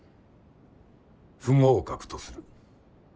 不合格とする。